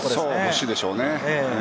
ほしいでしょうね。